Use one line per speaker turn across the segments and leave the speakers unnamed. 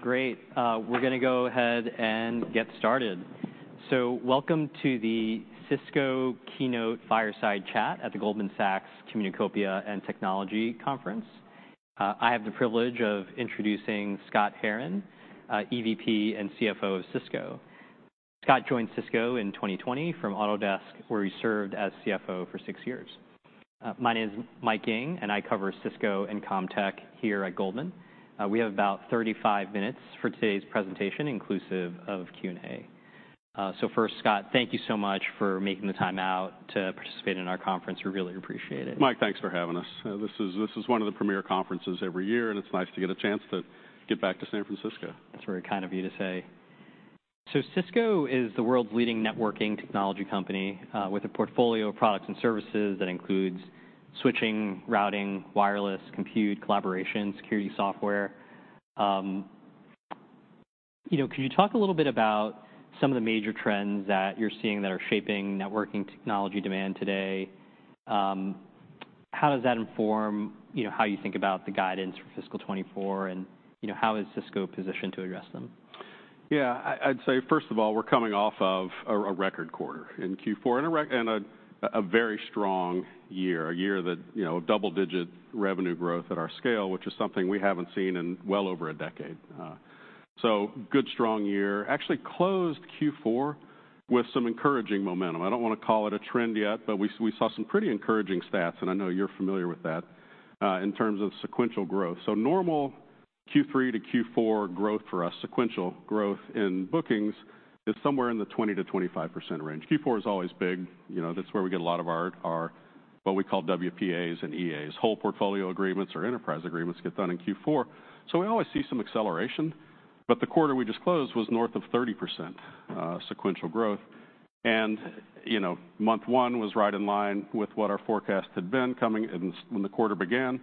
Great. We're gonna go ahead and get started. Welcome to the Cisco Keynote Fireside Chat at the Goldman Sachs Communacopia and Technology Conference. I have the privilege of introducing Scott Herren, EVP and CFO of Cisco. Scott joined Cisco in 2020 from Autodesk, where he served as CFO for six years. My name is Mike Ng, and I cover Cisco and CommTech here at Goldman. We have about 35 minutes for today's presentation, inclusive of Q&A. First, Scott, thank you so much for making the time out to participate in our conference. We really appreciate it.
Mike, thanks for having us. This is one of the premier conferences every year, and it's nice to get a chance to get back to San Francisco.
That's very kind of you to say. So, Cisco is the world's leading networking technology company, with a portfolio of products and services that includes switching, routing, wireless, compute, collaboration, security software. You know, could you talk a little bit about some of the major trends that you're seeing that are shaping networking technology demand today? How does that inform, you know, how you think about the guidance for fiscal 2024, and, you know, how is Cisco positioned to address them?
Yeah, I'd say, first of all, we're coming off of a record quarter in Q4 and a very strong year. A year that, you know, double-digit revenue growth at our scale, which is something we haven't seen in well over a decade. So good, strong year. Actually closed Q4 with some encouraging momentum. I don't wanna call it a trend yet, but we saw some pretty encouraging stats, and I know you're familiar with that, in terms of sequential growth. So normal Q3 to Q4 growth for us, sequential growth in bookings, is somewhere in the 20%-25% range. Q4 is always big, you know, that's where we get a lot of what we call WPAs and EAs. Whole Portfolio Agreements or Enterprise Agreements get done in Q4, so we always see some acceleration, but the quarter we just closed was north of 30% sequential growth. You know, month one was right in line with what our forecast had been coming in when the quarter began.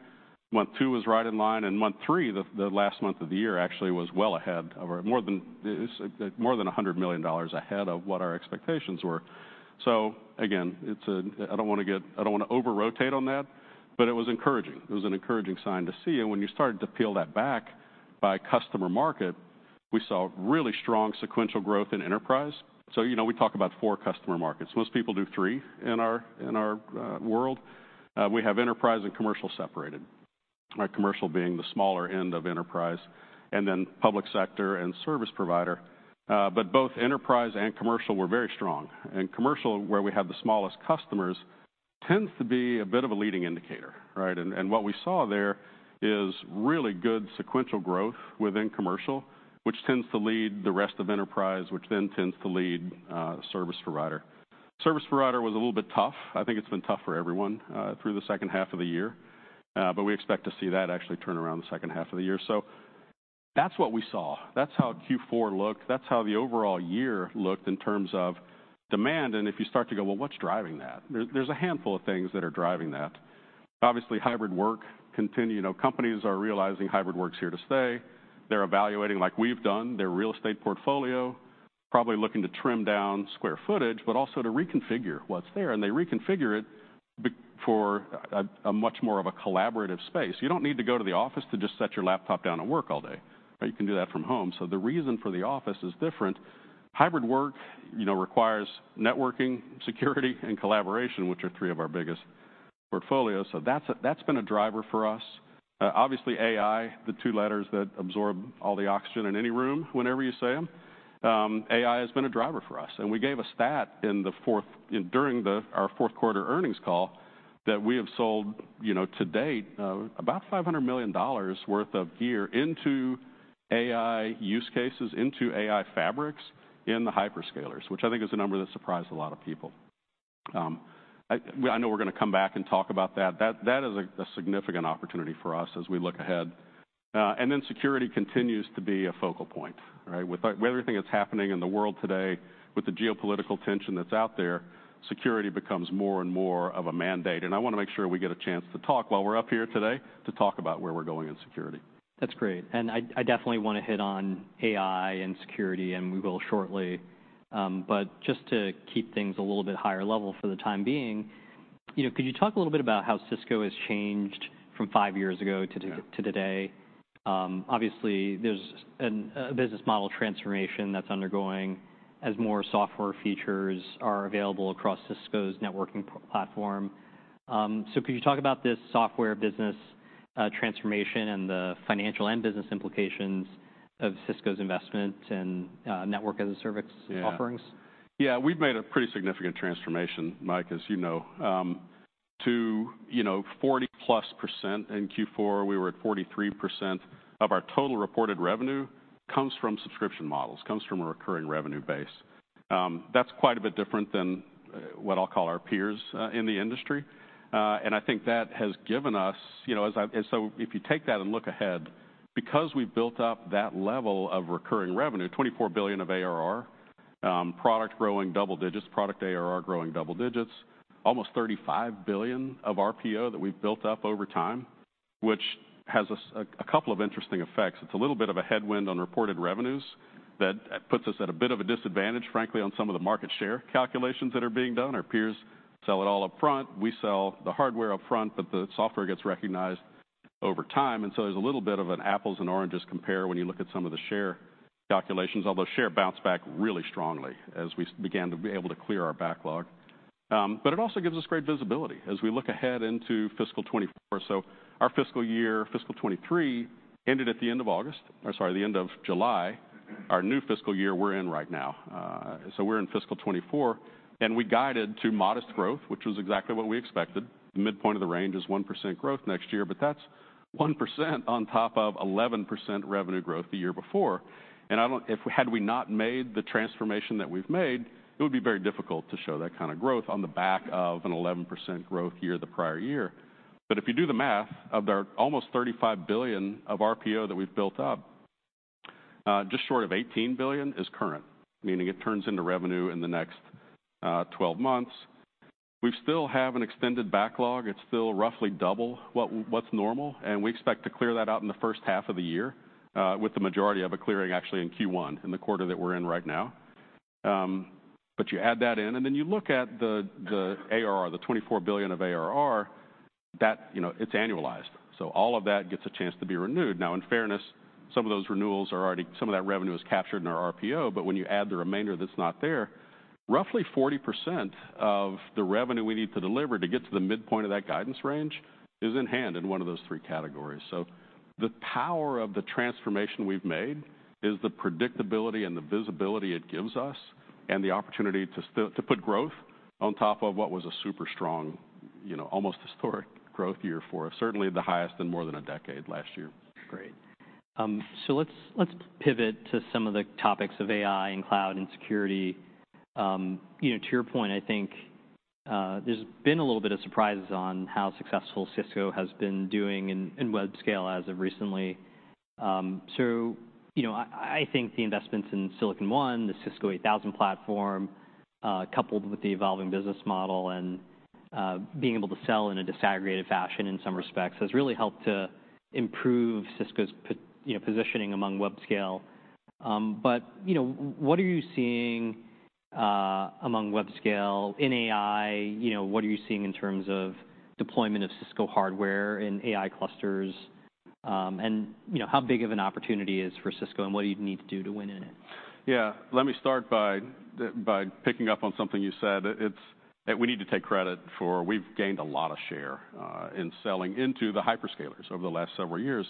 Month two was right in line, and month three, the last month of the year, actually was well ahead of our more than $100 million ahead of what our expectations were. So again, it's a—I don't want to get... I don't want to over-rotate on that, but it was encouraging. It was an encouraging sign to see, and when you started to peel that back by customer market, we saw really strong sequential growth in enterprise. So, you know, we talk about four customer markets. Most people do three in our world. We have enterprise and commercial separated, commercial being the smaller end of enterprise, and then public sector and service provider. But both enterprise and commercial were very strong. And commercial, where we have the smallest customers, tends to be a bit of a leading indicator, right? And what we saw there is really good sequential growth within commercial, which tends to lead the rest of enterprise, which then tends to lead service provider. Service provider was a little bit tough. I think it's been tough for everyone through the second half of the year, but we expect to see that actually turn around the second half of the year. So that's what we saw. That's how Q4 looked. That's how the overall year looked in terms of demand, and if you start to go, "Well, what's driving that?" There's a handful of things that are driving that. Obviously, Hybrid Work continues. You know, companies are realizing Hybrid Work's here to stay. They're evaluating, like we've done, their real estate portfolio, probably looking to trim down square footage, but also to reconfigure what's there, and they reconfigure it for a much more of a collaborative space. You don't need to go to the office to just set your laptop down and work all day, right? You can do that from home. So the reason for the office is different. Hybrid Work, you know, requires networking, security, and collaboration, which are three of our biggest portfolios. So that's been a driver for us. Obviously, AI, the two letters that absorb all the oxygen in any room whenever you say them. AI has been a driver for us, and we gave a stat in our Q4 Earnings Call, that we have sold, you know, to date, about $500 million worth of gear into AI use cases, into AI fabrics, in the hyperscalers, which I think is a number that surprised a lot of people. I know we're gonna come back and talk about that. That is a significant opportunity for us as we look ahead. And then security continues to be a focal point, right? With with everything that's happening in the world today, with the geopolitical tension that's out there, security becomes more and more of a mandate, and I wanna make sure we get a chance to talk while we're up here today, to talk about where we're going in security.
That's great, and I definitely wanna hit on AI and security, and we will shortly. But just to keep things a little bit higher level for the time being, you know, could you talk a little bit about how Cisco has changed from five years ago to?
Yeah...
today? Obviously, there's a business model transformation that's undergoing as more software features are available across Cisco's networking platform. So could you talk about this software business transformation and the financial and business implications of Cisco's investment and network as a service-
Yeah...
offerings?
Yeah, we've made a pretty significant transformation, Mike, as you know. To, you know, 40+% in Q4, we were at 43% of our total reported revenue, comes from subscription models, comes from a recurring revenue base. That's quite a bit different than what I'll call our peers in the industry. And I think that has given us, you know, as I— And so if you take that and look ahead, because we've built up that level of recurring revenue, $24 billion of ARR, product growing double digits, product ARR growing double digits, almost $35 billion of RPO that we've built up over time, which has a couple of interesting effects. It's a little bit of a headwind on reported revenues... That puts us at a bit of a disadvantage, frankly, on some of the market share calculations that are being done. Our peers sell it all upfront. We sell the hardware upfront, but the software gets recognized over time, and so there's a little bit of an apples and oranges compare when you look at some of the share calculations. Although, share bounced back really strongly as we began to be able to clear our backlog. But it also gives us great visibility as we look ahead into fiscal 2024. So our fiscal year, fiscal 2023, ended at the end of August, or sorry, the end of July. Our new fiscal year we're in right now, so we're in fiscal 2024, and we guided to modest growth, which was exactly what we expected. The midpoint of the range is 1% growth next year, but that's 1% on top of 11% revenue growth the year before. And if we had not made the transformation that we've made, it would be very difficult to show that kind of growth on the back of an 11% growth year the prior year. But if you do the math, of our almost $35 billion of RPO that we've built up, just short of $18 billion is current, meaning it turns into revenue in the next 12 months. We still have an extended backlog. It's still roughly double what's normal, and we expect to clear that out in the H1 of the year, with the majority of it clearing actually in Q1, in the quarter that we're in right now. But you add that in, and then you look at the ARR, the $24 billion of ARR, that, you know, it's annualized, so all of that gets a chance to be renewed. Now, in fairness, some of those renewals are already... Some of that revenue is captured in our RPO, but when you add the remainder that's not there, roughly 40% of the revenue we need to deliver to get to the midpoint of that guidance range is in hand in one of those three categories. So the power of the transformation we've made is the predictability and the visibility it gives us, and the opportunity to still, to put growth on top of what was a super strong, you know, almost historic growth year for us, certainly the highest in more than a decade last year.
Great. So let's, let's pivot to some of the topics of AI and cloud and security. You know, to your point, I think, there's been a little bit of surprises on how successful Cisco has been doing in, in web scale as of recently. So, you know, I, I think the investments in Silicon One, the Cisco 8000 platform, coupled with the evolving business model and, being able to sell in a disaggregated fashion, in some respects, has really helped to improve Cisco's positioning among web scale. But, you know, what are you seeing, among web scale in AI? You know, what are you seeing in terms of deployment of Cisco hardware in AI clusters? And, you know, how big of an opportunity is for Cisco, and what do you need to do to win in it?
Yeah, let me start by picking up on something you said. It's... that we need to take credit for. We've gained a lot of share in selling into the hyperscalers over the last several years.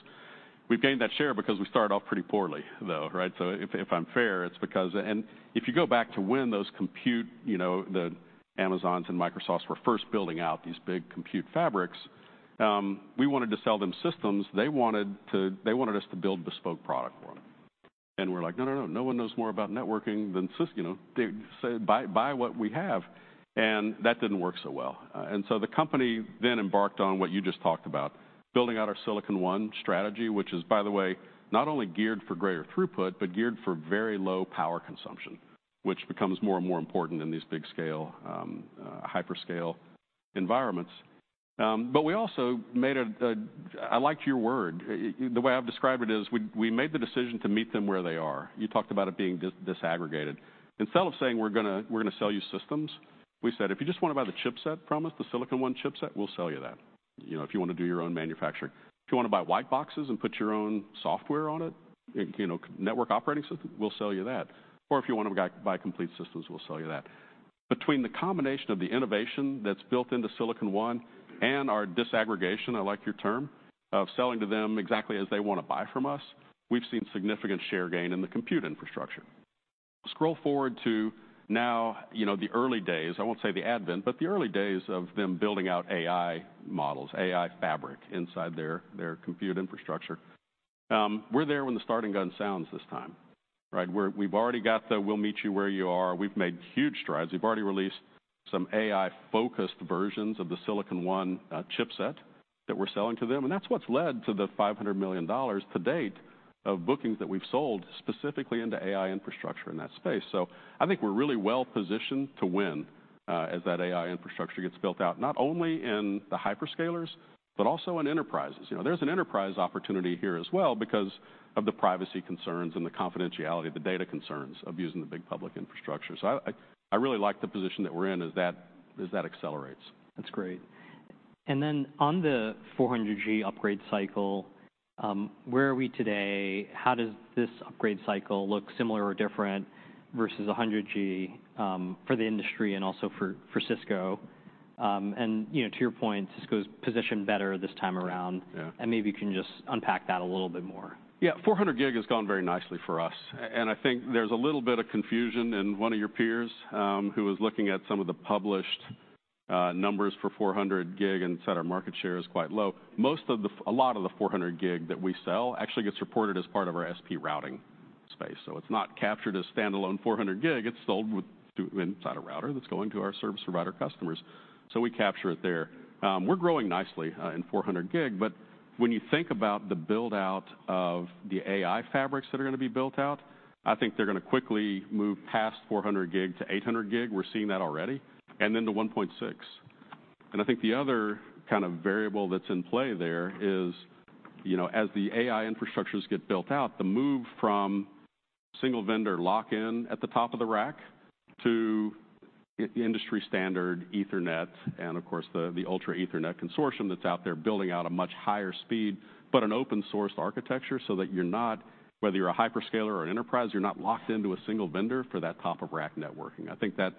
We've gained that share because we started off pretty poorly, though, right? So if I'm fair, it's because... And if you go back to when those compute, you know, the Amazons and Microsofts were first building out these big compute fabrics, we wanted to sell them systems. They wanted us to build bespoke product for them. And we're like: "No, no, no. No one knows more about networking than Cisco—you know, they say, 'Buy, buy what we have.'" And that didn't work so well. And so the company then embarked on what you just talked about, building out our Silicon One strategy, which is, by the way, not only geared for greater throughput, but geared for very low power consumption, which becomes more and more important in these big scale, hyperscale environments. But we also made a... I liked your word. The way I've described it is, we made the decision to meet them where they are. You talked about it being disaggregated. Instead of saying, "We're gonna sell you systems," we said, "If you just want to buy the chipset from us, the Silicon One chipset, we'll sell you that. You know, if you want to do your own manufacturing. If you want to buy white boxes and put your own software on it, you know, network operating system, we'll sell you that. Or if you want to buy complete systems, we'll sell you that." Between the combination of the innovation that's built into Silicon One and our disaggregation, I like your term, of selling to them exactly as they want to buy from us, we've seen significant share gain in the compute infrastructure. Scroll forward to now, you know, the early days, I won't say the advent, but the early days of them building out AI models, AI fabric inside their compute infrastructure. We're there when the starting gun sounds this time, right? We've already got the "we'll meet you where you are." We've made huge strides. We've already released some AI-focused versions of the Silicon One chipset that we're selling to them, and that's what's led to the $500 million to date of bookings that we've sold specifically into AI infrastructure in that space. So I think we're really well positioned to win as that AI infrastructure gets built out, not only in the hyperscalers, but also in enterprises. You know, there's an enterprise opportunity here as well because of the privacy concerns and the confidentiality, the data concerns of using the big public infrastructure. So I really like the position that we're in as that accelerates.
That's great. And then on the 400G upgrade cycle, where are we today? How does this upgrade cycle look similar or different versus a 100G, for the industry and also for, for Cisco? And, you know, to your point, Cisco's positioned better this time around.
Yeah.
Maybe you can just unpack that a little bit more.
Yeah. 400G has gone very nicely for us, and I think there's a little bit of confusion in one of your peers, who was looking at some of the published numbers for 400G and said our market share is quite low. A lot of the 400G that we sell actually gets reported as part of our SP routing space, so it's not captured as standalone 400G. It's sold inside a router that's going to our service provider customers, so we capture it there. We're growing nicely in 400G, but when you think about the build-out of the AI fabrics that are going to be built out, I think they're going to quickly move past 400G to 800G. We're seeing that already, and then to 1.6T.... I think the other kind of variable that's in play there is, you know, as the AI infrastructures get built out, the move from single vendor lock-in at the top of the rack to industry standard Ethernet, and of course, the Ultra Ethernet Consortium that's out there building out a much higher speed, but an open-sourced architecture, so that you're not, whether you're a hyperscaler or an enterprise, you're not locked into a single vendor for that top-of-rack networking. I think that,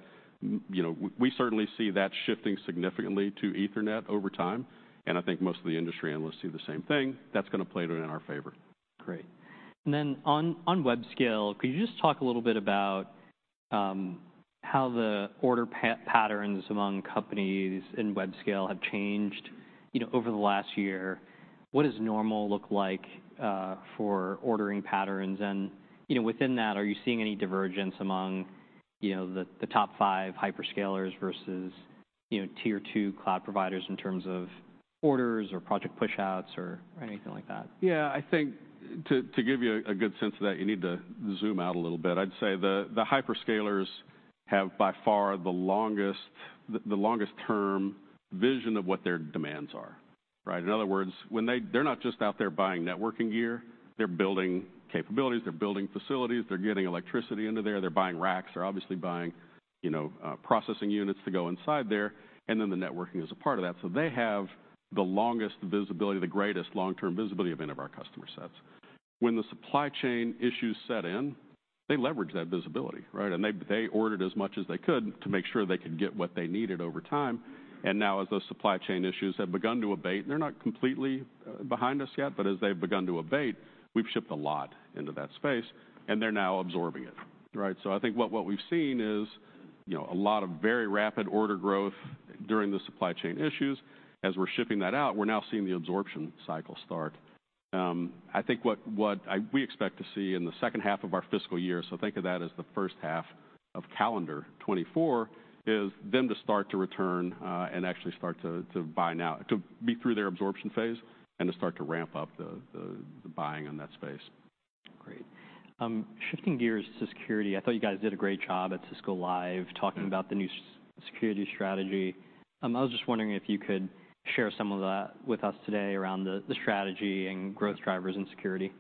you know, we certainly see that shifting significantly to Ethernet over time, and I think most of the industry analysts see the same thing. That's gonna play it in our favor.
Great. And then on web scale, could you just talk a little bit about how the order patterns among companies in web scale have changed, you know, over the last year? What does normal look like for ordering patterns? And, you know, within that, are you seeing any divergence among, you know, the top five hyperscalers versus, you know, tier two cloud providers in terms of orders or project pushouts or anything like that?
Yeah, I think to give you a good sense of that, you need to zoom out a little bit. I'd say the hyperscalers have, by far, the longest term vision of what their demands are, right? In other words, when they... They're not just out there buying networking gear, they're building capabilities, they're building facilities, they're getting electricity into there, they're buying racks, they're obviously buying, you know, processing units to go inside there, and then the networking is a part of that. So they have the longest visibility, the greatest long-term visibility of any of our customer sets. When the supply chain issues set in, they leverage that visibility, right? And they ordered as much as they could to make sure they could get what they needed over time. And now, as those supply chain issues have begun to abate, and they're not completely behind us yet, but as they've begun to abate, we've shipped a lot into that space, and they're now absorbing it, right? So I think what we've seen is, you know, a lot of very rapid order growth during the supply chain issues. As we're shipping that out, we're now seeing the absorption cycle start. I think we expect to see in the H2 of our fiscal year, so think of that as the H1 of calendar 2024, is them to start to return and actually start to buy now to be through their absorption phase and to start to ramp up the buying in that space.
Great. Shifting gears to security, I thought you guys did a great job at Cisco Live-
Mm...
talking about the new security strategy. I was just wondering if you could share some of that with us today around the strategy and growth drivers in security?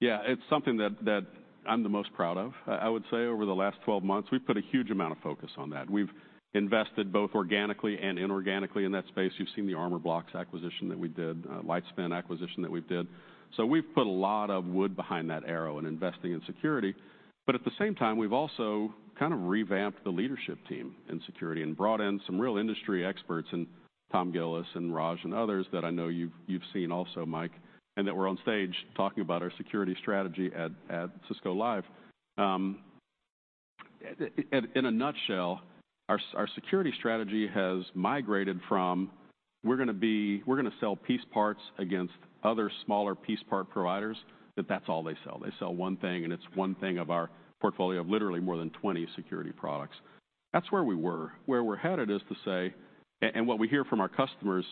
Yeah, it's something that, that I'm the most proud of. I, I would say over the last 12 months, we've put a huge amount of focus on that. We've invested both organically and inorganically in that space. You've seen the Armorblox acquisition that we did, Lightspin acquisition that we did. So we've put a lot of wood behind that arrow in investing in security, but at the same time, we've also kind of revamped the leadership team in security and brought in some real industry experts, and Tom Gillis and Raj and others that I know you've, you've seen also, Mike, and that were on stage talking about our security strategy at Cisco Live. In a nutshell, our security strategy has migrated from, we're gonna sell piece parts against other smaller piece part providers, that's all they sell. They sell one thing, and it's one thing of our portfolio of literally more than 20 security products. That's where we were. Where we're headed is to say, and what we hear from our customers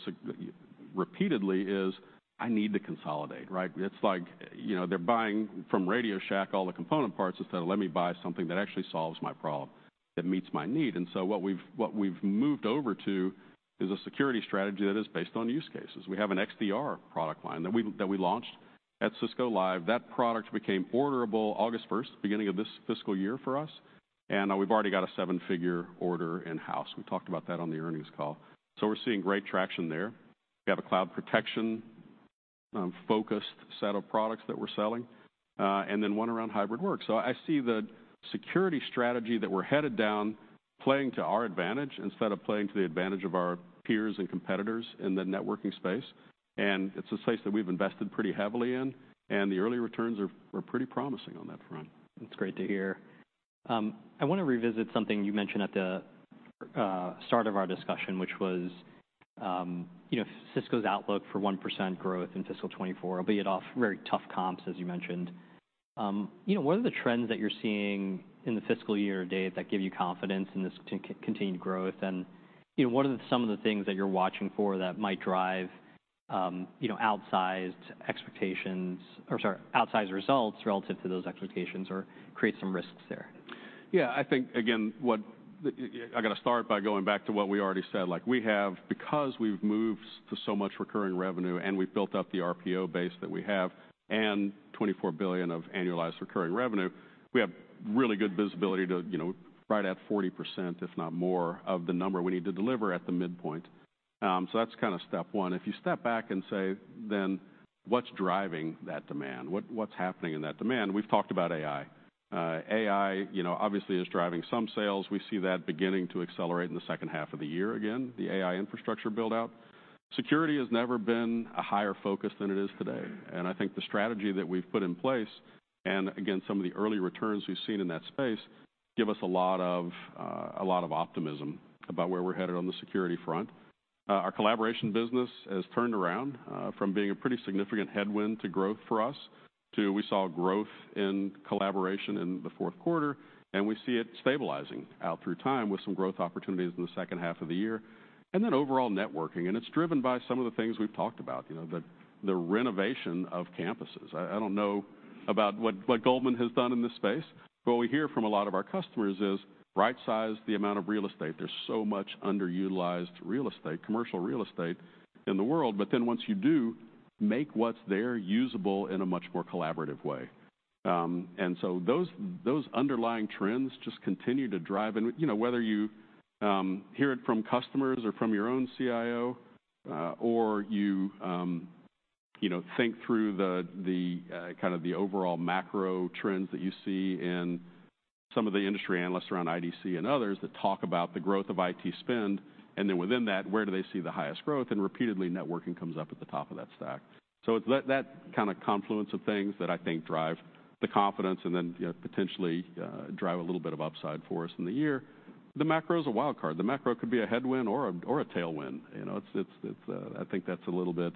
repeatedly is: "I need to consolidate," right? It's like, you know, they're buying from RadioShack all the component parts instead of, "Let me buy something that actually solves my problem, that meets my need." And so what we've moved over to is a security strategy that is based on use cases. We have an XDR product line that we launched at Cisco Live. That product became orderable August first, beginning of this fiscal year for us, and we've already got a seven-figure order in-house. We talked about that on the earnings call. So we're seeing great traction there. We have a cloud protection, focused set of products that we're selling, and then one around hybrid work. So I see the security strategy that we're headed down playing to our advantage instead of playing to the advantage of our peers and competitors in the networking space, and it's a space that we've invested pretty heavily in, and the early returns are pretty promising on that front.
That's great to hear. I want to revisit something you mentioned at the start of our discussion, which was, you know, Cisco's outlook for 1% growth in fiscal 2024. It'll be atop very tough comps, as you mentioned. You know, what are the trends that you're seeing in the fiscal year to date that give you confidence in this continued growth? And, you know, what are some of the things that you're watching for that might drive, you know, outsized expectations, or sorry, outsized results relative to those expectations or create some risks there?
Yeah, I think, again, what I got to start by going back to what we already said. Like, we have—because we've moved to so much recurring revenue, and we've built up the RPO base that we have, and $24 billion of annualized recurring revenue, we have really good visibility to, you know, right at 40%, if not more, of the number we need to deliver at the midpoint. So that's kind of step one. If you step back and say, "Then, what's driving that demand? What, what's happening in that demand?" We've talked about AI. AI, you know, obviously, is driving some sales. We see that beginning to accelerate in the H2 of the year again, the AI infrastructure build-out. Security has never been a higher focus than it is today, and I think the strategy that we've put in place, and again, some of the early returns we've seen in that space, give us a lot of, a lot of optimism about where we're headed on the security front. Our collaboration business has turned around, from being a pretty significant headwind to growth for us. Two, we saw growth in collaboration in the Q4, and we see it stabilizing out through time with some growth opportunities in the H2 of the year, and then overall networking, and it's driven by some of the things we've talked about, you know, the renovation of campuses. I don't know about what Goldman has done in this space, but what we hear from a lot of our customers is right-size the amount of real estate. There's so much underutilized real estate, commercial real estate in the world, but then once you do, make what's there usable in a much more collaborative way. And so those underlying trends just continue to drive. And, you know, whether you hear it from customers or from your own CIO, or you know, think through the kind of the overall macro trends that you see in some of the industry analysts around IDC and others that talk about the growth of IT spend, and then within that, where do they see the highest growth? And repeatedly, networking comes up at the top of that stack. So it's that kind of confluence of things that I think drive the confidence and then, you know, potentially drive a little bit of upside for us in the year. The macro is a wild card. The macro could be a headwind or a tailwind. You know, it's. I think that's a little bit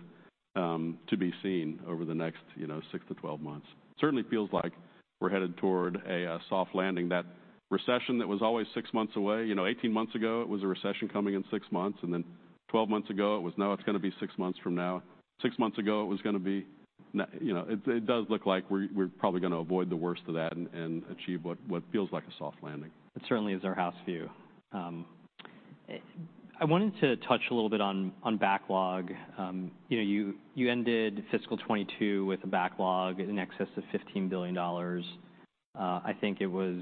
to be seen over the next, you know, six-12 months. Certainly feels like we're headed toward a soft landing. That recession that was always six months away, you know, 18 months ago, it was a recession coming in six months, and then 12 months ago, it was, "No, it's gonna be six months from now." six months ago, it was gonna be. You know, it does look like we're probably gonna avoid the worst of that and achieve what feels like a soft landing.
It certainly is our house view. I wanted to touch a little bit on, on backlog. You know, you, you ended fiscal 2022 with a backlog in excess of $15 billion. I think it was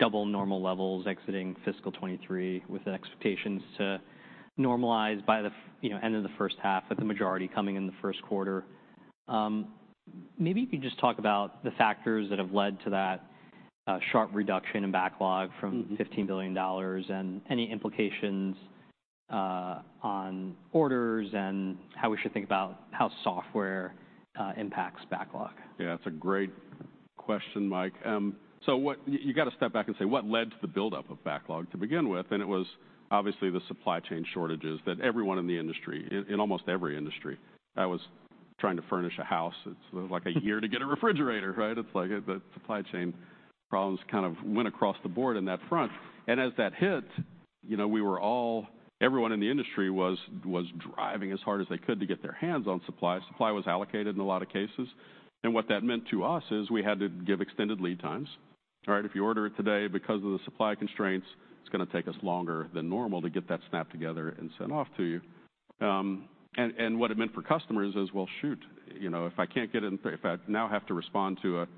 double normal levels exiting fiscal 2023, with expectations to normalize by the, you know, end of the H1, with the majority coming in the Q1. Maybe if you just talk about the factors that have led to that, sharp reduction in backlog from-
Mm-hmm...
$15 billion and any implications, on orders and how we should think about how software impacts backlog.
Yeah, that's a great question, Mike. So what you gotta step back and say, what led to the buildup of backlog to begin with? And it was obviously the supply chain shortages that everyone in the industry, in almost every industry... I was trying to furnish a house. It's like a year to get a refrigerator, right? It's like the supply chain problems kind of went across the board in that front. And as that hit, you know, everyone in the industry was driving as hard as they could to get their hands on supply. Supply was allocated in a lot of cases, and what that meant to us is we had to give extended lead times. All right, if you order it today, because of the supply constraints, it's gonna take us longer than normal to get that snap together and sent off to you. And what it meant for customers is, well, shoot, you know, if I can't get it in, if I now have to respond to a,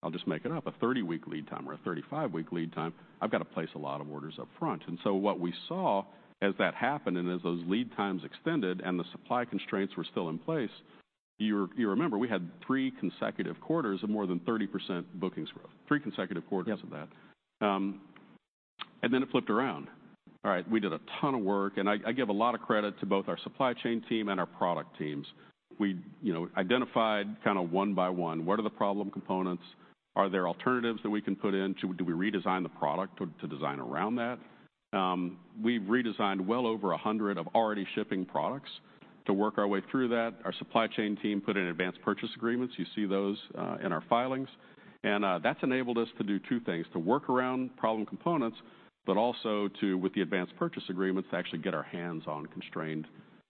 I'll just make it up, a 30-week lead time or a 35-week lead time, I've got to place a lot of orders up front. And so what we saw as that happened, and as those lead times extended, and the supply constraints were still in place, you remember, we had three consecutive quarters of more than 30% bookings growth. Three consecutive quarters of that.
Yep.
And then it flipped around. All right, we did a ton of work, and I give a lot of credit to both our supply chain team and our product teams. We, you know, identified kind of one by one, what are the problem components? Are there alternatives that we can put in? Do we redesign the product to design around that? We've redesigned well over 100 of already shipping products to work our way through that. Our supply chain team put in advanced purchase agreements. You see those in our filings, and that's enabled us to do two things: to work around problem components, but also to, with the advanced purchase agreements, to actually get our hands on constrained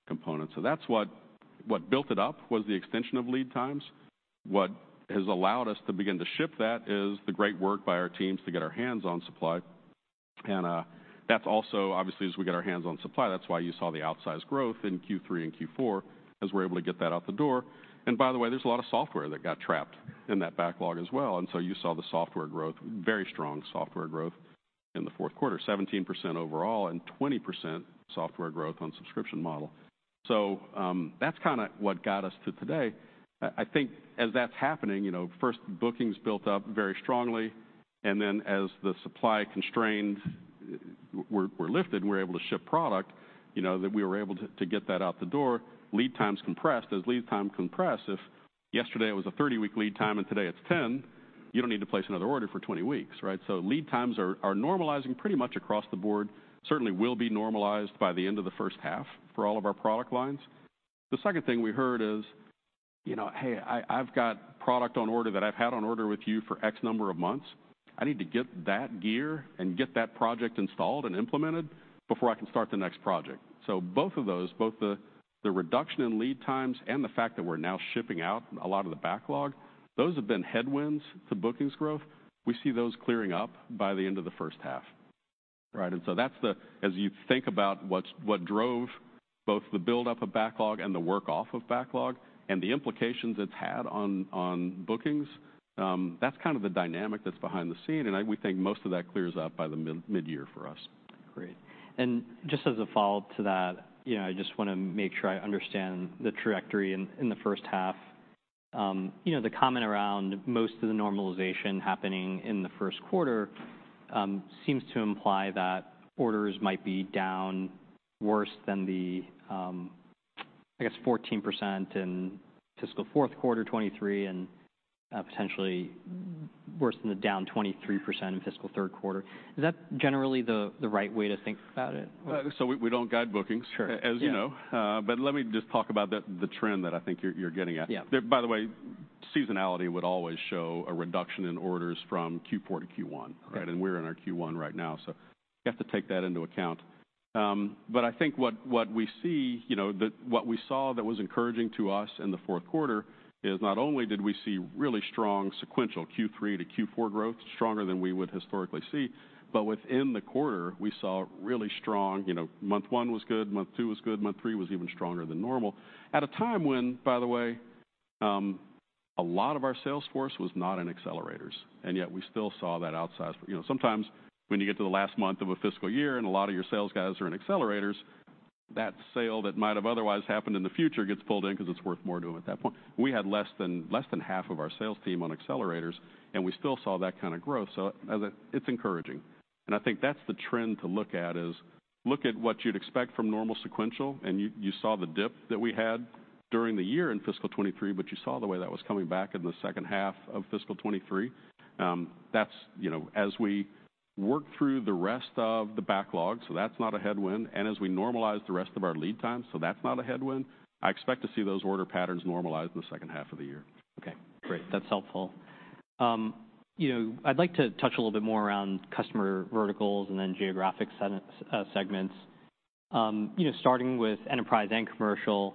components. So that's what built it up, was the extension of lead times. What has allowed us to begin to ship that is the great work by our teams to get our hands on supply, and that's also obviously, as we get our hands on supply, that's why you saw the outsized growth in Q3 and Q4, as we're able to get that out the door. And by the way, there's a lot of software that got trapped in that backlog as well, and so you saw the software growth, very strong software growth in the Q4, 17% overall and 20% software growth on subscription model. So, that's kind of what got us to today. I think as that's happening, you know, first, bookings built up very strongly, and then, as the supply constraints were lifted, and we're able to ship product, you know, that we were able to get that out the door, lead times compressed. As lead time compress, if yesterday was a 30-week lead time and today it's 10, you don't need to place another order for 20 weeks, right? So lead times are normalizing pretty much across the board. Certainly will be normalized by the end of the H1 for all of our product lines. The second thing we heard is, you know, "Hey, I've got product on order that I've had on order with you for X number of months. I need to get that gear and get that project installed and implemented before I can start the next project." So both of those, both the reduction in lead times and the fact that we're now shipping out a lot of the backlog, those have been headwinds to bookings growth. We see those clearing up by the end of the H1. Right, and so that's the... As you think about what drove both the buildup of backlog and the work off of backlog and the implications it's had on bookings, that's kind of the dynamic that's behind the scene, and we think most of that clears up by mid-year for us.
Great. And just as a follow-up to that, you know, I just wanna make sure I understand the trajectory in the H1. You know, the comment around most of the normalization happening in the Q1 seems to imply that orders might be down worse than the, I guess, 14% in fiscal Q4 2023, and potentially worse than the down 23% in fiscal Q3. Is that generally the right way to think about it?
So we don't guide bookings-
Sure...
as you know. But let me just talk about the trend that I think you're getting at.
Yeah.
By the way, seasonality would always show a reduction in orders from Q4 to Q1, right?
Right.
We're in our Q1 right now, so you have to take that into account. But I think what we see, you know, what we saw that was encouraging to us in the Q4 is not only did we see really strong sequential Q3 to Q4 growth, stronger than we would historically see, but within the quarter, we saw really strong. You know, month one was good, month two was good, month three was even stronger than normal, at a time when, by the way, a lot of our sales force was not in accelerators, and yet we still saw that outsize. You know, sometimes when you get to the last month of a fiscal year, and a lot of your sales guys are in accelerators, that sale that might have otherwise happened in the future gets pulled in because it's worth more to them at that point. We had less than, less than half of our sales team on accelerators, and we still saw that kind of growth, so it's encouraging. And I think that's the trend to look at, is look at what you'd expect from normal sequential, and you saw the dip that we had during the year in fiscal 2023, but you saw the way that was coming back in the second half of fiscal 2023. That's, you know, as we work through the rest of the backlog, so that's not a headwind, and as we normalize the rest of our lead time, so that's not a headwind. I expect to see those order patterns normalize in the second half of the year.
Okay, great. That's helpful. You know, I'd like to touch a little bit more around customer verticals and then geographic segments. You know, starting with enterprise and commercial,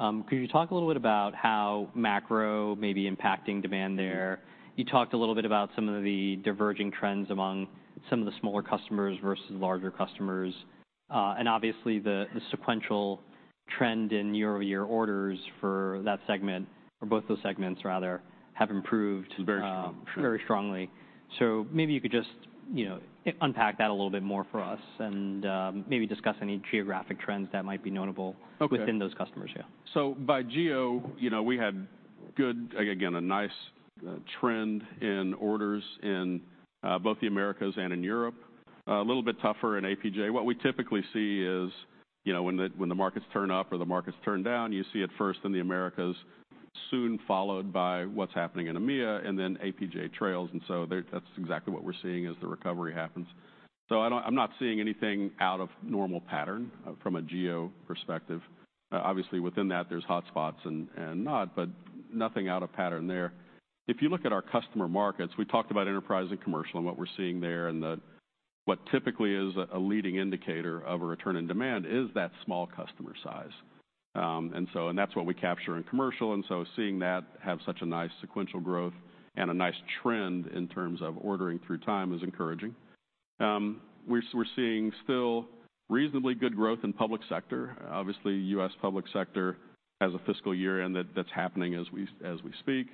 could you talk a little bit about how macro may be impacting demand there? You talked a little bit about some of the diverging trends among some of the smaller customers versus larger customers. And obviously, the sequential trend in year-over-year orders for that segment, or both those segments rather, have improved-
Very strong...
very strongly. So maybe you could just, you know, unpack that a little bit more for us and maybe discuss any geographic trends that might be notable?
Okay...
within those customers. Yeah.
So by geo, you know, we had good, again, a nice trend in orders in both the Americas and in Europe. A little bit tougher in APJ. What we typically see is, you know, when the markets turn up or the markets turn down, you see it first in the Americas, soon followed by what's happening in EMEA, and then APJ trails, and so that's exactly what we're seeing as the recovery happens. So I'm not seeing anything out of normal pattern from a geo perspective. Obviously, within that, there's hotspots and not, but nothing out of pattern there. If you look at our customer markets, we talked about enterprise and commercial and what we're seeing there, and then what typically is a leading indicator of a return in demand is that small customer size. And so, and that's what we capture in commercial, and so seeing that have such a nice sequential growth and a nice trend in terms of ordering through time is encouraging. We're seeing still reasonably good growth in public sector. Obviously, US public sector has a fiscal year, and that's happening as we speak.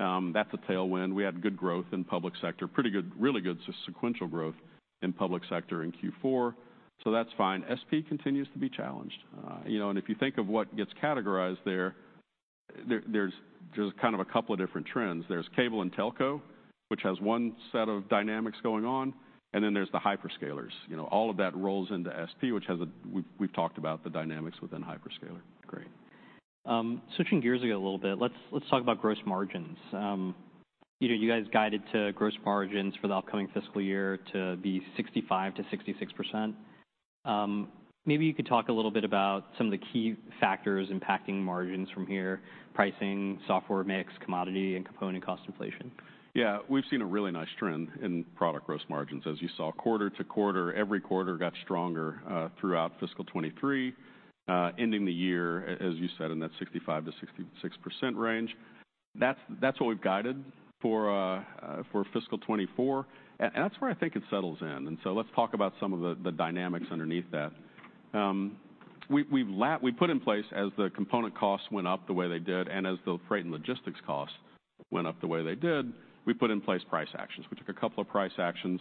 That's a tailwind. We had good growth in public sector, pretty good really good sequential growth in public sector in Q4, so that's fine. SP continues to be challenged. You know, and if you think of what gets categorized there, there's kind of a couple of different trends. There's cable and telco, which has one set of dynamics going on, and then there's the hyperscalers. You know, all of that rolls into SP, which has a—we've, we've talked about the dynamics within Hyperscaler.
Great. Switching gears again a little bit, let's talk about gross margins. You know, you guys guided to gross margins for the upcoming fiscal year to be 65%-66%. Maybe you could talk a little bit about some of the key factors impacting margins from here, pricing, software mix, commodity, and component cost inflation.
Yeah, we've seen a really nice trend in product gross margins. As you saw, quarter to quarter, every quarter got stronger throughout fiscal 2023, ending the year, as you said, in that 65%-66% range. That's, that's what we've guided for for fiscal 2024, and that's where I think it settles in. So let's talk about some of the dynamics underneath that. We put in place, as the component costs went up the way they did, and as the freight and logistics costs went up the way they did, we put in place price actions. We took a couple of price actions,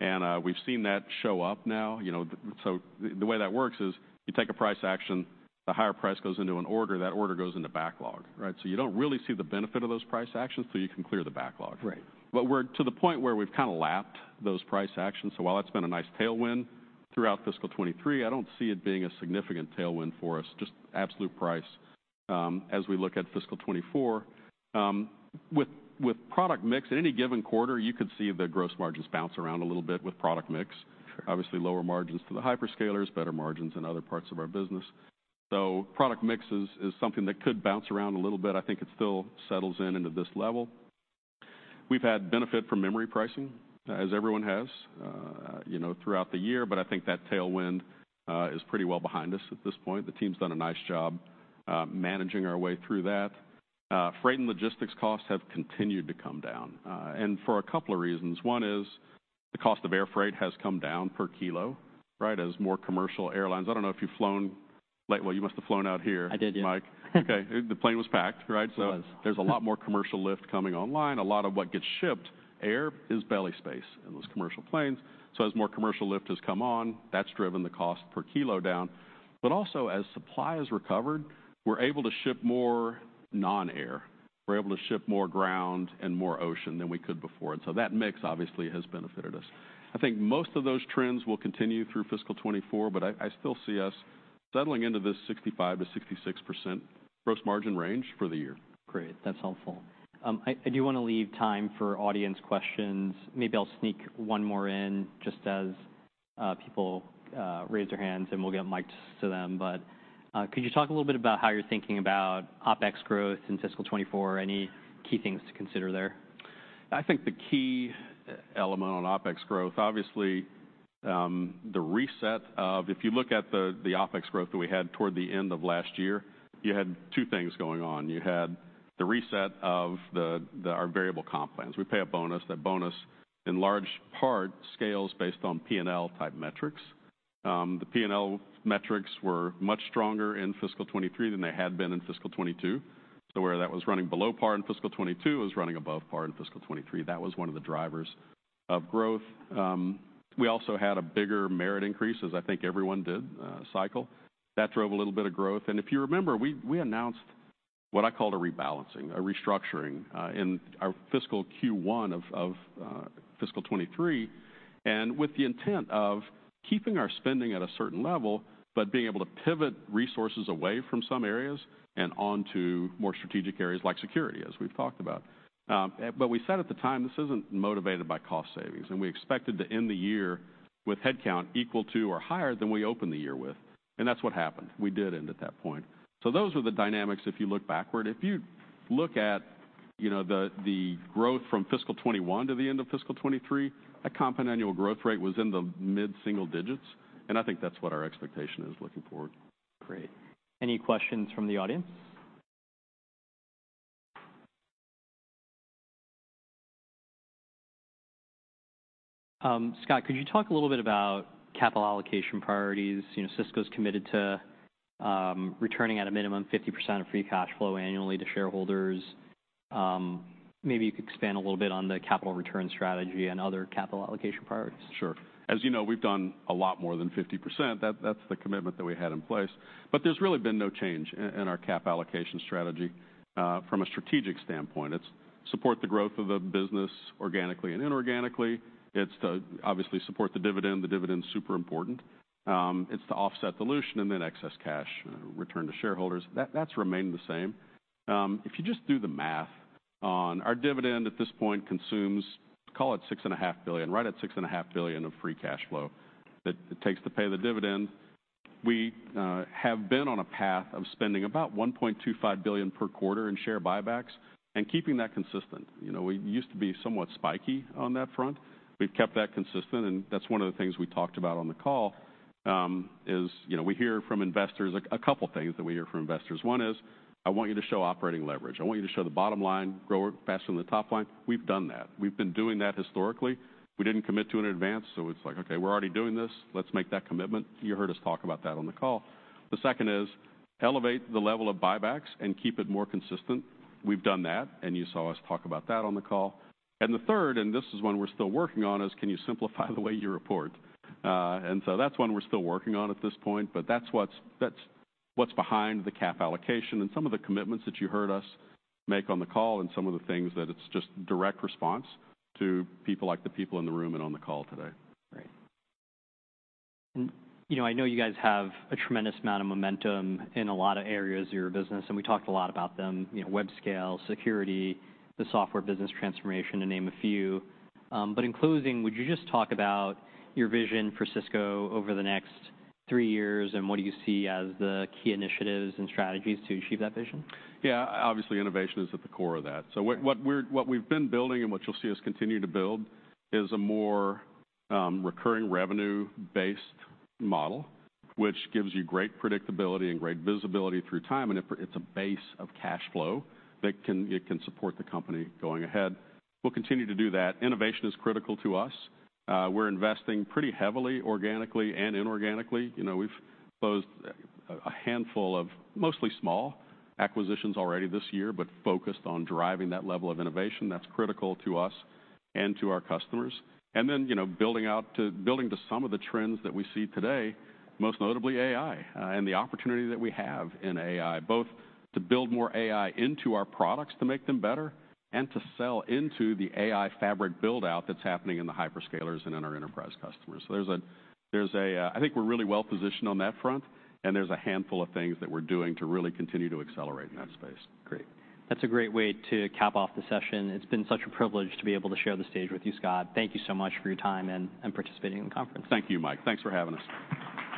and we've seen that show up now. You know, so the way that works is you take a price action, the higher price goes into an order, that order goes into backlog, right? So you don't really see the benefit of those price actions till you can clear the backlog.
Right.
But we're to the point where we've kind of lapped those price actions, so while that's been a nice tailwind throughout fiscal 2023, I don't see it being a significant tailwind for us, just absolute price, as we look at fiscal 2024. With product mix, at any given quarter, you could see the gross margins bounce around a little bit with product mix.
Sure.
Obviously, lower margins for the hyperscalers, better margins in other parts of our business. So product mix is something that could bounce around a little bit. I think it still settles into this level. We've had benefit from memory pricing, as everyone has, you know, throughout the year, but I think that tailwind is pretty well behind us at this point. The team's done a nice job managing our way through that. Freight and logistics costs have continued to come down, and for a couple of reasons. One is the cost of air freight has come down per kilo, right, as more commercial airlines... I don't know if you've flown late - well, you must have flown out here -
I did, yeah.
Okay, the plane was packed, right?
It was.
So there's a lot more commercial lift coming online. A lot of what gets shipped, air is belly space in those commercial planes. So as more commercial lift has come on, that's driven the cost per kilo down. But also, as supply has recovered, we're able to ship more non-air. We're able to ship more ground and more ocean than we could before, and so that mix, obviously, has benefited us. I think most of those trends will continue through fiscal 2024, but I still see us settling into this 65%-66% gross margin range for the year.
Great. That's helpful. I do wanna leave time for audience questions. Maybe I'll sneak one more in just as people raise their hands, and we'll get mics to them. But could you talk a little bit about how you're thinking about OpEx growth in fiscal 2024? Any key things to consider there?
I think the key element on OpEx growth, obviously, the reset of—If you look at the OpEx growth that we had toward the end of last year, you had two things going on. You had the reset of the our variable comp plans. We pay a bonus. That bonus, in large part, scales based on P&L-type metrics. The P&L metrics were much stronger in fiscal 2023 than they had been in fiscal 2022, so where that was running below par in fiscal 2022, it was running above par in fiscal 2023. That was one of the drivers of growth. We also had a bigger merit increase, as I think everyone did, cycle. That drove a little bit of growth, and if you remember, we, we announced what I called a rebalancing, a restructuring, in our fiscal Q1 of fiscal 2023, and with the intent of keeping our spending at a certain level, but being able to pivot resources away from some areas and onto more strategic areas, like security, as we've talked about. But we said at the time, this isn't motivated by cost savings, and we expected to end the year with headcount equal to or higher than we opened the year with, and that's what happened. We did end at that point. So those are the dynamics if you look backward. If you look at, you know, the growth from fiscal 2021 to the end of fiscal 2023, that compound annual growth rate was in the mid-single digits, and I think that's what our expectation is looking forward.
Great. Any questions from the audience? Scott, could you talk a little bit about capital allocation priorities? You know, Cisco's committed to returning, at a minimum, 50% of free cash flow annually to shareholders. Maybe you could expand a little bit on the capital return strategy and other capital allocation priorities.
Sure. As you know, we've done a lot more than 50%. That's the commitment that we had in place, but there's really been no change in our capital allocation strategy from a strategic standpoint. It's to support the growth of the business organically and inorganically. It's to, obviously, support the dividend. The dividend's super important. It's to offset dilution and then excess cash return to shareholders. That's remained the same. If you just do the math on our dividend at this point consumes, call it $6.5 billion, right at $6.5 billion of free cash flow that it takes to pay the dividend. We have been on a path of spending about $1.25 billion per quarter in share buybacks and keeping that consistent. You know, we used to be somewhat spiky on that front. We've kept that consistent, and that's one of the things we talked about on the call, is, you know, we hear from investors a couple things that we hear from investors. One is: I want you to show operating leverage. I want you to show the bottom line growing faster than the top line. We've done that. We've been doing that historically. We didn't commit to it in advance, so it's like, "Okay, we're already doing this. Let's make that commitment." You heard us talk about that on the call. The second is: Elevate the level of buybacks and keep it more consistent. We've done that, and you saw us talk about that on the call. And the third, and this is one we're still working on, is: Can you simplify the way you report? And so that's one we're still working on at this point, but that's what's behind the cap allocation and some of the commitments that you heard us make on the call and some of the things that it's just direct response to people like the people in the room and on the call today.
Great. You know, I know you guys have a tremendous amount of momentum in a lot of areas of your business, and we talked a lot about them. You know, Webscale, security, the software business transformation, to name a few. But in closing, would you just talk about your vision for Cisco over the next three years, and what do you see as the key initiatives and strategies to achieve that vision?
Yeah. Obviously, innovation is at the core of that.
Right.
So what we've been building and what you'll see us continue to build is a more recurring revenue-based model, which gives you great predictability and great visibility through time, and it's a base of cash flow that can support the company going ahead. We'll continue to do that. Innovation is critical to us. We're investing pretty heavily, organically and inorganically. You know, we've closed a handful of mostly small acquisitions already this year, but focused on driving that level of innovation. That's critical to us and to our customers. And then, you know, building to some of the trends that we see today, most notably AI, and the opportunity that we have in AI, both to build more AI into our products to make them better and to sell into the AI fabric build-out that's happening in the hyperscalers and in our enterprise customers. So there's a... I think we're really well positioned on that front, and there's a handful of things that we're doing to really continue to accelerate in that space.
Great. That's a great way to cap off the session. It's been such a privilege to be able to share the stage with you, Scott. Thank you so much for your time and participating in the conference.
Thank you, Mike. Thanks for having us.